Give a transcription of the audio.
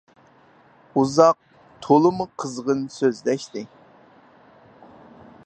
ئۇزاق، تولىمۇ قىزغىن سۆزلەشتى.